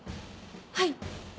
はい。